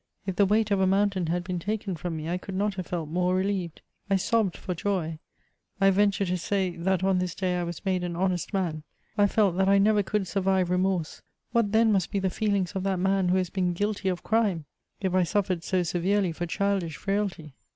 If the weight of a mountain had been taken from me, I could not have felt more reUeved. I sobbed for joy. I venture to say that on this day I was made an honest man. I felt that I never could survive remorse ; what then must be the feelings of that man who has been guilty of crime, if I suffered so severely for childish frailty